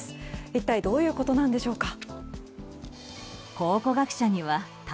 一体どういうことなんでしょうか。